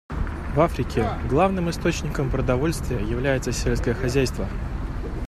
В Африке главным источником продовольствия является сельское хозяйство.